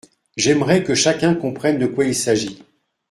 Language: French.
J’aimerais que chacun comprenne de quoi il s’agit.